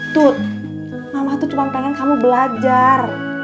tut mama tuh cuma pengen kamu belajar